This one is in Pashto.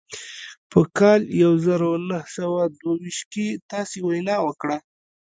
په کال يو زر و نهه سوه دوه ويشت کې تاسې وينا وکړه.